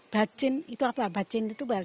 bacin itu apa bacin itu bahasa